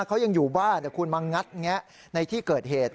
เขายังอยู่บ้านคุณมางัดแงะในที่เกิดเหตุ